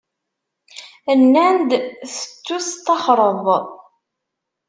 - Nnan-d tettusṭaxreḍ.